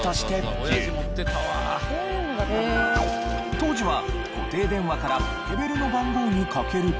当時は固定電話からポケベルの番号にかけると。